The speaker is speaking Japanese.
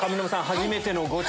初めてのゴチ。